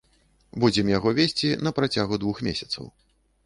Будзем яго весці на працягу двух месяцаў.